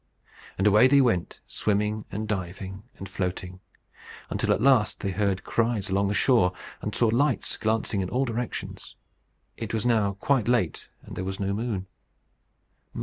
And away they went, swimming, and diving, and floating, until at last they heard cries along the shore, and saw lights glancing in all directions. It was now quite late, and there was no moon.